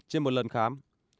trên một lần khám